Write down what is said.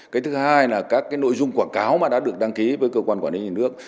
cái thứ hai là các cái nội dung quảng cáo mà đã được đăng ký với cơ quan quản lý nhà nước